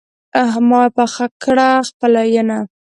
ما پخه کړه خپله ينه